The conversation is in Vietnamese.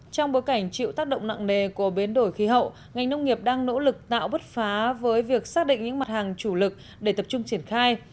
trong bối cảnh chịu tác động nặng nề của biến đổi khí hậu ngành nông nghiệp đang nỗ lực tạo bứt phá với việc xác định những mặt hàng chủ lực để tập trung triển khai